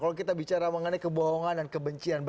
kalau kita bicara mengenai kebohongan dan kebencian